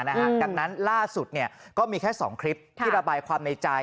ดังนั้นล่าสุดก็มีแค่๒คลิปที่ระบายความในใจ